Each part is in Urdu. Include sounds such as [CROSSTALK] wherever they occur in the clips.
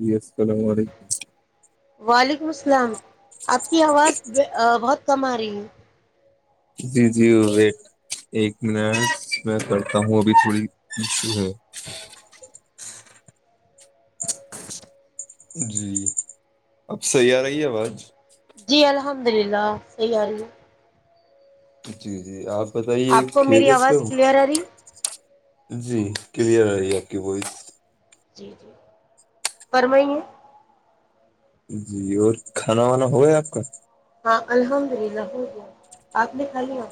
جی السلام علیکم [UNINTELLIGIBLE] وعلیکم السلام آپ کی آواز بہت کم آ رہی ہے [INAUDIBLE] جی جی ویٹ ایک منٹ میں کرتا ہوں ابھی تھوڑی ہے جی اب صحیح آ رہی ہے آواز [UNINTELLIGIBLE] جی الحمد للہ صحیح آ رہی ہے [UNINTELLIGIBLE] جی جی آپ [UNINTELLIGIBLE] آپ کو میری خیریت سے آواز ہو کلیئر آ رہی [UNINTELLIGIBLE] جی کلیئر آ رہی ہے آپ کی بائ [UNINTELLIGIBLE] جی جی فرمائیے جی اور کھانا وانا ہو گایا آپ کا ہاں الحمد للہ ہو آپ نے کھا لیا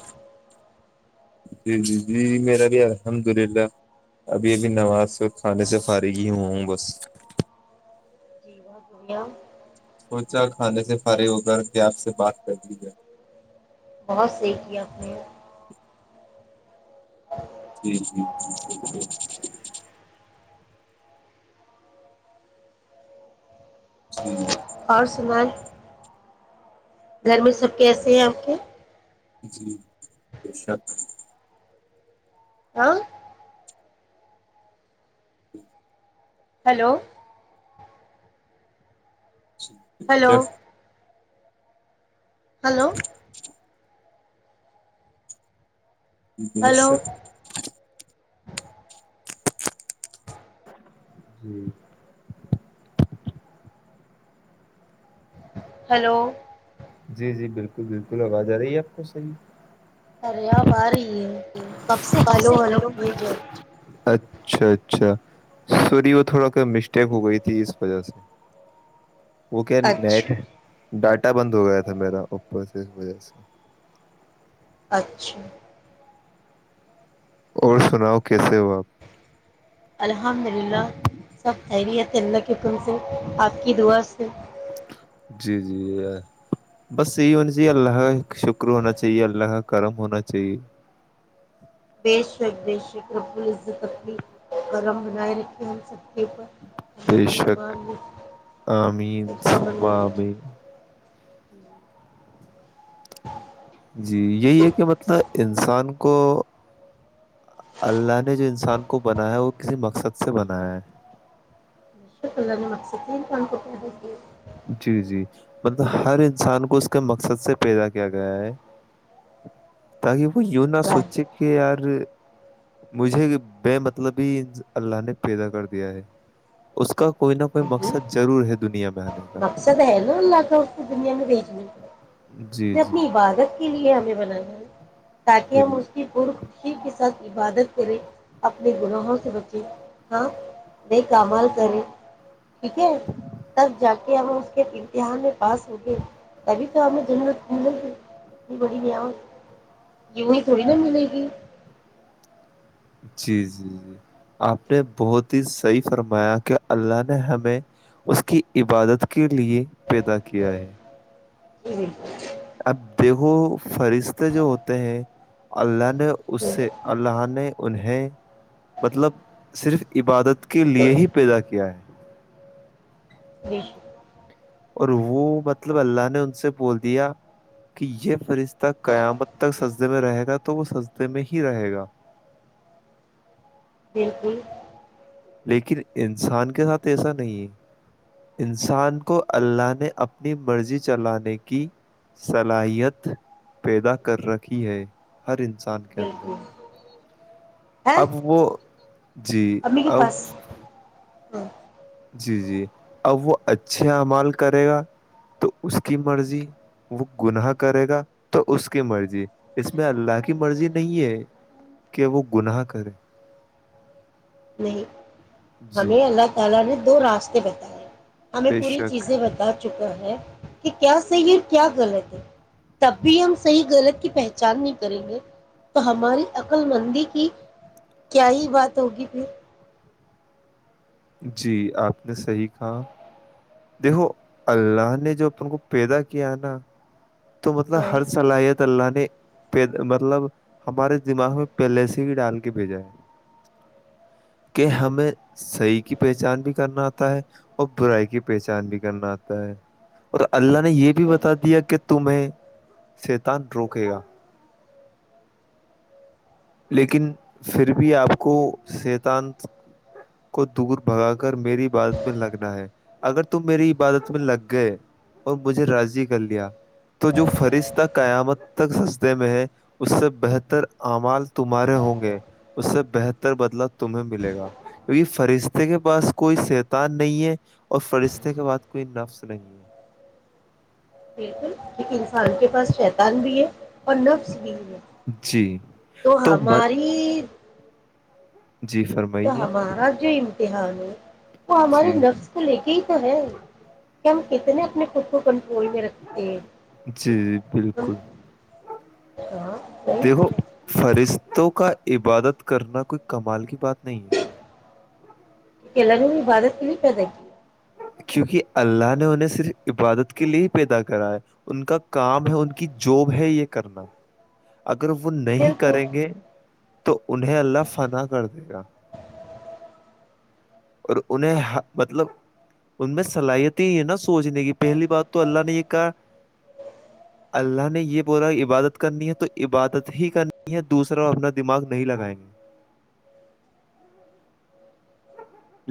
جی جی جی میرا بھی الحمد للہ ابھی ابھی نماز کھانے سے فارغ ہی ہوا ہوں بس [INAUDIBLE] بچا کھانے سے فارغ ہو کر کہ آپ سے بات کرتی ہے بہت سحی کیا ہم نے ہاں جی جی ج ج ج جی جی اور سنایں گھر میں سب کیسے ہیں آپ کے جی بے شک ہاں جی ہلو ہیلو [INAUDIBLE] ہلو ہلو [INAUDIBLE] جی ہلو جی جی بالکل بالکل آواز آ رہی ہے آپ کو صحیح [UNINTELLIGIBLE] کب سے ہلو ہلو کیے جائے اچھا اچھا سور وہ تھوڑا کہ مسٹیک ہو گئی تھی اس وجہ سے وہک نیٹ اچھا ڈ کٹا بند ہو گیا تھا میرا اوپر سے اس وجہ سے اچھا اور سناؤ کیسے ہو آپ چندا ککن سے آک کی دوا سے جی جی بس یہی ہونی چاہیے اللہ کا شکر ہونا چاہیے اللہ کا کرم ہونا چاہیے تلی کرم بنائے رکھے سب ہمیں اپنی بےشک ایمان میں آمین سبابے ہوں جی یہی ہے کہ مطلب انسان کو اللہ نے جو انسان کو بنایا ہے وہ کسی مقصد سے بنایا ہے ال ن مک س تین کن کوٹے جی جی مطلب ہر انسان کو اس کے مقصد سے پیدا کیا گیا ہے تاکہ یوں نہ ظاہر سوچے کہ یار مجھے بے مطلب ہی اللہ نے پیدا کر دیا ہے اس کا کوئی نہ کوئی نہیں مقصد ضرور ہے دنیا میں کا مقصد ہے نا اللہ کا اس کی دنیا میں بیچنے اس جی نے جی اپنی عبادت کے لیے ہمیں بنانا ہے تاکہ ہم بال اس کی پ خشی کی سد عبادت کرے اپنے گناہوں سے بچے ہاں بے کامال کرے ٹھیک ہے تب ہم اس کے امتحان میں پاس ہوگے تبھی تو ہمیں دت ملے گی اتنی بڑی ن یہی تھوڑی نہا ملے گی جی جی جی آپ نے بہت ہی صحیح فرمایا کہ اللہ نے ہمیں اس کی عبادت کے لیے پیدا کیا ہے ج جی اب دیکھو فہرشتے جو ہوتے ہیں اللہ نے اس بالکل سے اللہ نے انہیں مطلب صرف عبادت کے لیے ہی پیدا کیا ہے بے شک اور وہ مطلب اللہ نے ان سے بول دیا کہ یہ فرشتہ قیامت تک سجے میں رہے گا تو وہ سجدے میں ہی رہے گا بالکل لیکن انسان کے ساتھ ایسا نہیں ہے انسان کو اللہ نے اپنی مرضی چلانے کی صلاحیت پیدا کر رکھی ہے ہر انسان کے اندر بالکل ہے اب وہ جی امی کے اب پاس ہاں جی جی اب وہ اچھے اعمال کرے گا تو اس کی مرضی وہ گناہ کرے گا تو اس کی مرضی اس میں اللہ کی مرضی نہیں ہے کہ وہ گناہ کرے [UNINTELLIGIBLE] جی ہمیں اللہ تعالی نے دو راستے بتائے ہمیں بے پوری شک چیزیں بتا چکا ہے کہ کیا صحیح اور کیا غلط ہے تب بھی ہم صحیح غلط کی پہچان نہیں کریں گے تو ہماری عقل مندی کی کیا ہی بات ہوگی پھر جی آپ نے صحیح کہا دیکھو اللہ نے جو اپن کو پیدا کیا نا تو مطلب ہاں ہر صلاحیت اللہ نے مطلب ہمارے دماغ میں پہلے سے ہی ڈال کے بھیجا ہے کہ ہمیں صیح کی پہچان بھی کرنا آتا ہے اور برائی کی پہچان بھی کرنا آتا ہے اور اللہ نے بے یہ بھی شک بتا دیا کہ تمہیں سیتان روکے گا لیکن پھر بھی آپ کو شیتان کو دور بھگا کر میری عبادت میں لگنا ہے اگر تم میری عبادت میں لگ گئے اور مجھے راضی کر لیا تو جو فرست تک قیامت تک سستے میں ہے اس سے بہتر اعمال تمہارے ہوں گے اس سے بہتر بدلا تمہیں ملے گا کیونکہ فرشتے کے پاس کوئی شیتان نہیں ہے اور فرشتے کے بعد کوئی نفس نہیں ہے بالکل ایک انسان کے پاس شیتان بھی ہے اور نفظ بھی ہے جی تو ہماری جی تو فرمائیے ہمارا جو امتحان ہے وہ ہمارے جی نفظ کو لے کے ہی تو ہے کتنے اپنے کو کنٹرول میں رکھتے جی بالکل ہاں ختوں کا عبادت کرنا کوئی کمال کی بات نہیں ہے کلا نے عبادت کی نہیں پیدا کی کیونکہ اللہ نے انہیں صرف عبادت کے لیے ہی پیدا کرا ہے ان کا کام ہے ان کی جاب ہے یہ کرنا اگر اگر وہ نہیں بالکل کریں گے تو انہیں اللہ فن کر دے گا اور انہیں مطلب ان میں صلاحیت ہی ہے نا سوچنے کی پہلی بات تو اللہ نے یہ کہا اللہ نے یہ بولا عبادت کرنی ہے تو عبادت ہی کرنی ہے دوسرا وہ اپنا دماغ نہیں لگائیں گے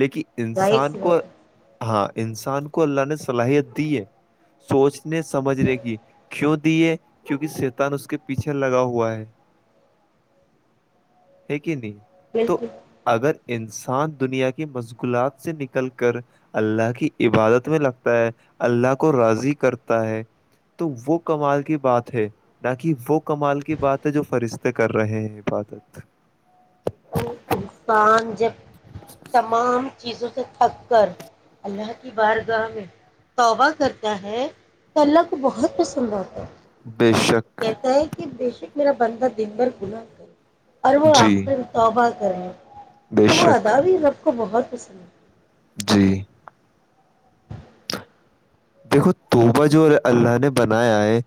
لیکن ظاہر انسان سی کو بات ہے ہاں انسان کو اللہ نے صلاحیت دی ہے سوچنے سمجھنے کی کیوں دیے کیوںکہ شیتان اس کے پیچھے لگا ہوا ہے ہے کہ نہیں تو بالکل اگر انسان دنیا کے کی مشغلات سے نکل کر اللہ کی عبادت میں لگتا ہے اللہ کو راضی کرتا ہے تو وہ کمال کی بات ہے نہ کہ وہ کمال کی بات ہے جو فرشتے کر رہے ہیں عبادت سان جب تمام چیزوں سے تھک کر اللہ کی بارگاہ میں توبہ کرتا ہے تو اللہ کو بہت پسند آتا ہے بے شک کہتا ہے کہ بے میرا بندہ دن بھر گناتا اور وہ جی آخر توبہ کریں بے تو وہ شک ادا اب سب کو بہت پسند ہے جی دیکھو توبا جو اللہ نے بنایا ہے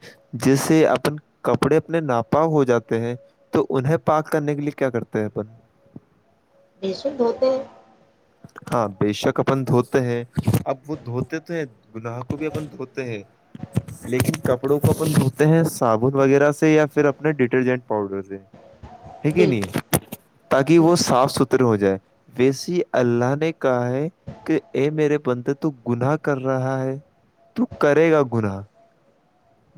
جیسے اپن کپڑے اپنے ناپا ہو جاتے ہیں تو انہیں پاک کرنے کے لیے کیا کرتے ہیں اپن بے ش دھ ہوتے ہیں ہاں بے شک اپن دھوت ہے اب وہ دھوتے تو ہیں گناہ کو بھی اپن دھوتے ہیں لیکن کپڑوں کو اپن دھوتے ہیں صابن وغیرہ سے یا پھر اپنے ڈیٹرجنٹ پاؤڈر سے [UNINTELLIGIBLE] یک ہے دل نہیں تاکہ وہ صاف ستھرے ہو جائے [UNINTELLIGIBLE] وسی [UNINTELLIGIBLE] اللہ نے کہا ہے کہ ا میرے بنندے تو گناہ کر رہا ہے تو کرے گا گناہ [UNINTELLIGIBLE]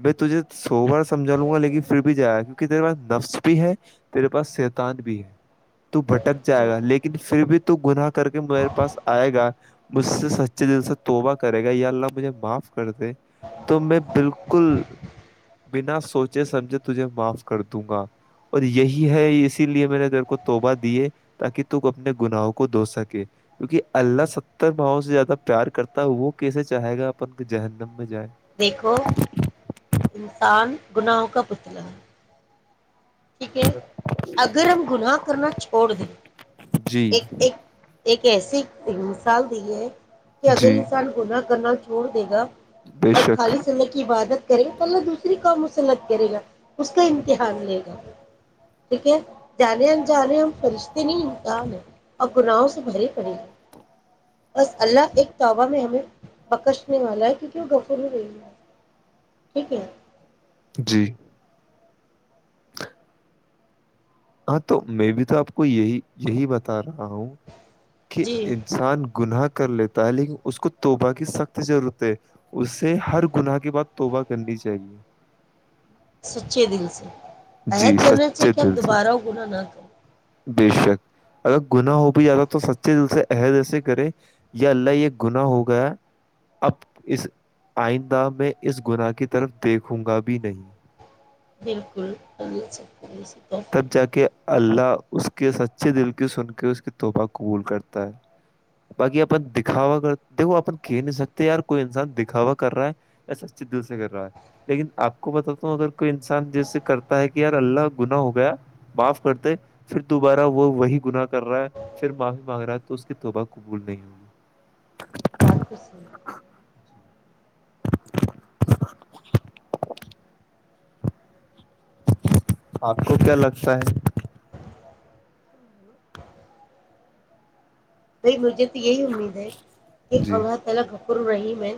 میںے سو بار سمجھا لوں گا لیکن پھر بھی جائے گا کیونکہ تے پاس نفس بھی ہے تیرے پاس شیتان بھی ہے تو بھٹک جائے گا لیکن پھر بھی تو گناہ کر کے میرے پاس آئے گا مجھ سے سچے دل سے توبہ کرے گا یا اللہ مجھے معاف کر د تو میں بالک [UNINTELLIGIBLE] بکل بنا سوچے سمجھے تجھے معاف کر دوں گا اور یہی ہے اسی لیے میں نے میرے کو توبہ دیے تاکہ ت اپنے گناہ کو دھو سکے کیونکہ اللہ ستر بھؤوں سے زیادہ پیار کرتا ہے وہ کیسے چاہے گا اپن ذہن [UNINTELLIGIBLE] مجائے دیکھو [UNINTELLIGIBLE] انسان گناہوں کا پتلا ہے [UNINTELLIGIBLE] ٹھیک ہے اگر ہم گناہ کرنا چھوڑ دیں جی ایک ایک ایک [UNINTELLIGIBLE] کیسیے مثال دی ہے [UNINTELLIGIBLE] کہ اگر جی انسان ہونا کرنا [UNINTELLIGIBLE] جوڑ دے گا بے [UNINTELLIGIBLE] اور شک خالی سع کی عبادت [UNINTELLIGIBLE] کرے گا پلہ دوسری کام مسلت کرے گا اس کا امتحان لے گا [UNINTELLIGIBLE] ٹھیک ہے جانے ان جانے ہم فرشتے نہیں امکان ہیں اور گناہوں سے بریے پڑے گ بس اللہ ایک توبہ میں ہمیں بکشنے والا ہے کیونکہ وہ غفل ہو گی ہے ٹھیک ہے [UNINTELLIGIBLE] جی ہاں تو میں بھی تو آپ کو یہی یہی بتا رہا ہوں کہ جی انسان گناہ کا کر لیتا ہے لیکن اس کو توبہ کی سخت ضرورت ہے اس سے ہر گناہ کے بعد توبہ کرنی چاہیے سچے دل سے [UNINTELLIGIBLE] جی عہد کرنا چاہیے سچے کہ ہم دل سے دوبارہ گنااہ نہ کریں [UNINTELLIGIBLE] بے شک اگر گنااہ ہو بھی جاتا تو سچے دل سے عہد ایسے کرے یا اللہ یہ گنااہ ہو گیا اب اس آئندہ میں اس گناہ کی طرف دیکھوں گا بھی نہیں بالکل س [UNINTELLIGIBLE] تب جا کے [UNINTELLIGIBLE] اللہ اس کے سچے دل کی سن کے اس کے تفہ قبول کرتا ہے باقی اپن دکھاوا کر دیکھو اپن کہہ نہیں سکتے یار کوئی انسان دکھاوا کر رہا ہے یا سچے دل سے کر رہا ہے لیکن آپ کو بتاتا ہوں اگر کوئی انسان جیسے کرتا ہے کہ یار اللہ گنا ہو معاف کرتے پھر دوبارہ وہ وہی گنااہ کر رہا ہے پھر معافی مانگ رہا ہے تو اس کی توبہ قبول نہیں ہوگی [UNINTELLIGIBLE] بقپس [UNINTELLIGIBLE] آپ کو کیا لگتا ہے [UNINTELLIGIBLE] ب مجھے [UNINTELLIGIBLE] یہی امید ہے کہ جی الو ت الگ گھ [UNINTELLIGIBLE] برحیم ہے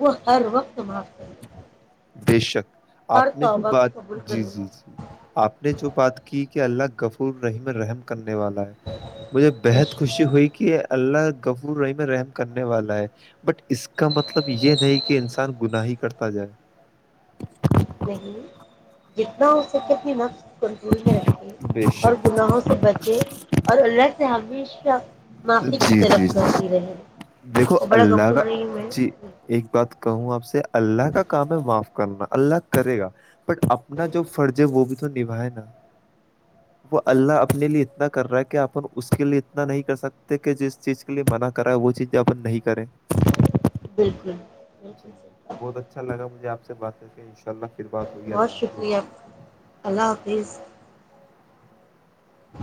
وہ ہر وقت معاف کر [UNINTELLIGIBLE] بے شک [UNINTELLIGIBLE] آپ نے جو بات قبول جی کرے جی جی آپ نے جو بات کی کہ اللہ کفور رحیم رحم کرنا [UNINTELLIGIBLE] والا ہے مجھے بےحد گا خوشی ہوئی کہ اللہ کف رحم رحم کرنے والا ہے بٹ اس کا مطلب یہ نہیں کہ انسان گناہی کرتا جائے [UNINTELLIGIBLE] نہیں جتنا ہو سککتنی ن [UNINTELLIGIBLE] کنٹرول میں رکھے بے اور شک گناہوں سے بچے اور اللہ سے ہمیشہ [UNINTELLIGIBLE] ر [INAUDIBLE] جی جی دیکھو اور بڑا اللہ کا غفور رحیم ہے جی ایک بات کہوں آپ سے اللہ کا کام ہے معاف [INAUDIBLE] کرنا اللہ کرے گا بٹ اپنا جو فرض ہے وہ بھی تو نبھائے نا وہ اللہ اپنے لیے اتنا کر رہا ہے کہ آپن اس [UNINTELLIGIBLE] کے لیے اتنا نہیں کر سکتے کہ جس چیز کے لیے منع کراائے وہ چیزیں اپن نہیں کریں [UNINTELLIGIBLE] بالکل بالکل [INAUDIBLE] بہت اچھا لگا مجھے آپ سے بات کر کے انلہ [INAUDIBLE] بہت شکریہ اللہ حافظ [UNINTELLIGIBLE] ہ [INAUDIBLE]